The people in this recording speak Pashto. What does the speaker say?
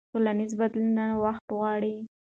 ټولنیز بدلون وخت غواړي.